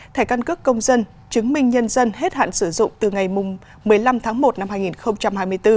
thẻ căn cước công dân chứng minh nhân dân hết hạn sử dụng từ ngày một mươi năm tháng một năm hai nghìn hai mươi bốn